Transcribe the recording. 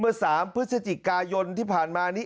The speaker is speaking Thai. แถลงการแนะนำพระมหาเทวีเจ้าแห่งเมืองทิพย์